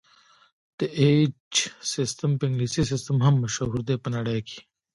د ایچ سیسټم په انګلیسي سیسټم هم مشهور دی په نړۍ کې.